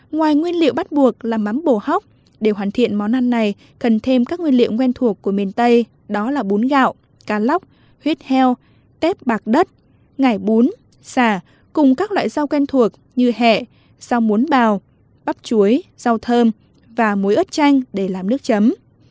ngoài nguyên liệu bắt buộc là mắm bồ hóc để hoàn thiện món ăn này cần thêm các nguyên liệu quen thuộc của miền tây đó là bún gạo cá lóc huyết heo tép bạc đất ngải bún xà cùng các loại rau quen thuộc như hệ rau muốn bào bắp chuối rau thơm và muối ớt chanh để làm nước chấm